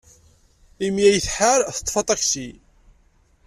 Imi ay tḥar, teḍḍef aṭaksi.